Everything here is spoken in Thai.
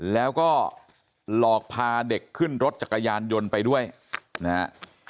แล้วก็หลอกพาเด็กขึ้นรถจักรยานยนต์ไปด้วยนะฮะ